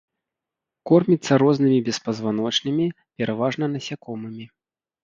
Корміцца рознымі беспазваночнымі, пераважна насякомымі.